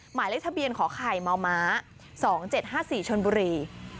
หมายเลขทะเบียนขอไข่มม๒๗๕๔ชนบุรี